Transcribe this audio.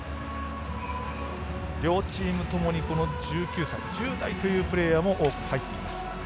両チームともに１９歳１０代というプレーヤーも多く入っています。